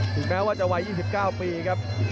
ถึงแม้ว่าจะวัย๒๙ปีครับ